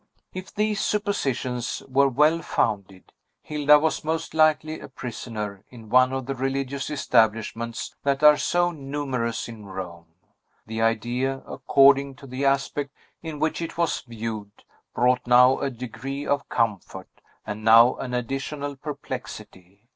If these suppositions were well founded, Hilda was most likely a prisoner in one of the religious establishments that are so numerous in Rome. The idea, according to the aspect in which it was viewed, brought now a degree of comfort, and now an additional perplexity.